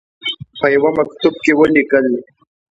په یوه مکتوب کې ولیکل.